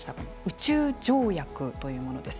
宇宙条約というものです。